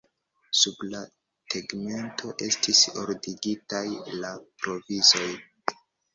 Sub la tegmento estis ordigitaj la provizoj.